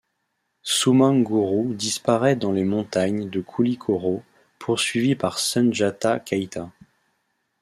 Soumangourou disparaît dans les montagnes de Koulikoro poursuivi par Sundjata Keïta.